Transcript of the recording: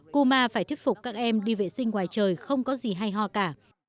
kuma phải thuyết phục các em đi vệ sinh ngoài trời không có gì hay ho cả